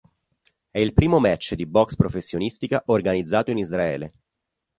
È il primo match di boxe professionistica organizzato in Israele.